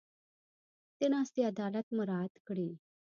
د ناستې عدالت مراعت کړي.